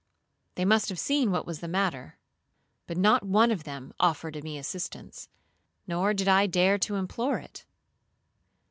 They must have seen what was the matter, but not one of them offered me assistance, nor did I dare to implore it.